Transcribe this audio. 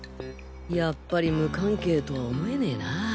やっぱり無関係とは思えねえな。